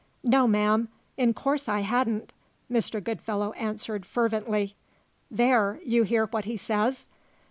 "No, ma'am; in course I hadn't," Mr. Goodfellow answered fervently. "There! You hear what he says?"